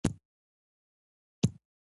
صحي خواړه د بدن لپاره اړین دي.